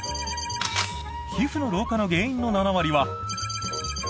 皮膚の老化の原因の７割は○○。